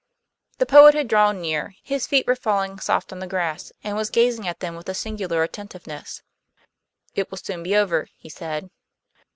The poet had drawn near, his feet were falling soft on the grass, and was gazing at them with a singular attentiveness. "It will soon be over," he said.